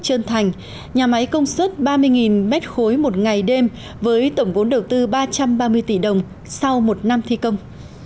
trơn thành nhà máy công suất ba mươi mét khối một ngày đêm với tổng vốn đầu tư ba trăm ba mươi tỷ đồng sau một năm thi công